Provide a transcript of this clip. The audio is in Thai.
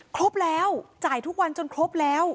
ครบแล้วจ่ายทุกวันจนครบแล้ว